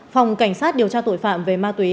phòng cảnh sát điều tra tội phạm về ma túy